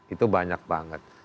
itu banyak banget